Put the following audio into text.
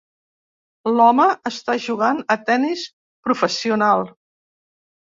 L"home està jugant a tenis professional.